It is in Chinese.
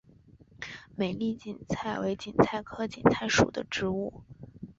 美丽堇菜为堇菜科堇菜属的植物。